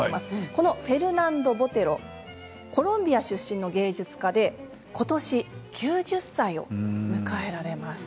このフェルナンド・ボテロコロンビア出身の芸術家でことし９０歳を迎えられます。